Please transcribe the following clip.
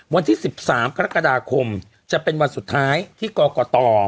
วันที่๑๓กรกฎาคมจะเป็นวันสุดท้ายที่กรกต